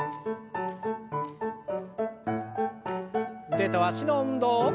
腕と脚の運動。